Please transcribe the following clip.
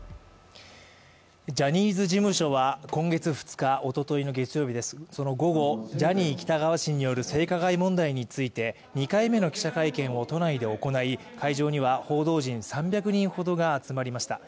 ジャニーズ事務所は今月２日、おとといです、その午後、ジャニー喜多川氏による性加害問題についての２回目の記者会見を行い会場には報道陣３００人ほどが集まりました。